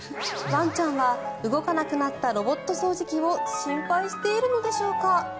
ワンちゃんは動かなくなったロボット掃除機を心配しているのでしょうか。